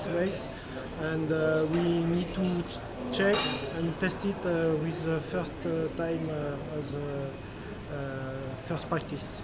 dan kita harus mencoba dan mencoba dengan pertama kali sebagai praktis pertama